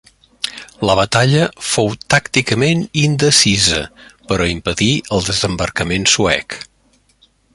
La batalla fou tàcticament indecisa, però impedí el desembarcament suec.